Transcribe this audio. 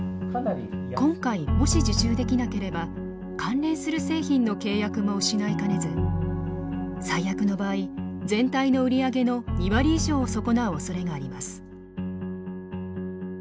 今回もし受注できなければ関連する製品の契約も失いかねず最悪の場合全体の売り上げの２割以上を損なうおそれがあります。